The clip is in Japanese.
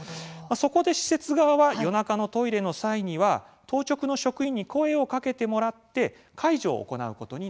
そこで施設側は夜中のトイレの際には当直の職員に声をかけてもらって介助を行うことになりました。